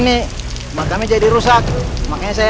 nih makamnya jadi rusak makanya saya